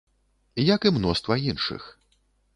Як і мноства іншых.